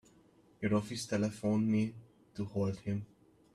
Your office telephoned me to hold him.